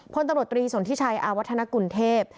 พลตำรวจตรีสนทิชัยอาวัฒนกุลเทพ